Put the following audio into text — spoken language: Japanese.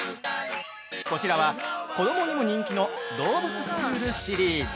◆こちらは、子供にも人気の動物スツールシリーズ。